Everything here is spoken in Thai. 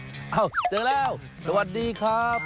เจอแล้วสวัสดีครับ